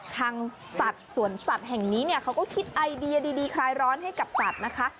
ทางสัตว์สวนสัตว์แห่งนี้เนี่ยเขาก็คิดไอเดียดีคลายร้อนให้กับสัตว์นะคะ